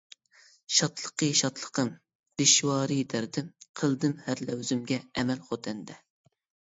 شادلىقى شادلىقىم، دىشۋارى دەردىم، قىلدىم ھەر لەۋزىمگە ئەمەل خوتەندە.